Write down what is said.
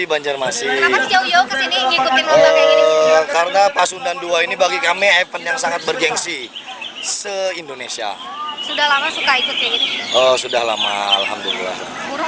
berita terkini mengenai perjalanan ke jalak harupat